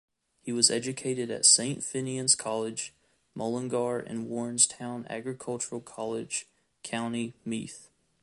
He was educated at Saint Finian's College, Mullingar and Warrenstown Agricultural College, County Meath.